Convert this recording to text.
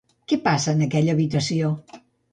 Què passava en aquella habitació?